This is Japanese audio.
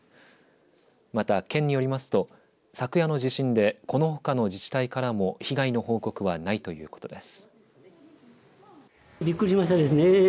また県によりますと昨夜の地震でこのほかの自治体からも被害の報告はないということです。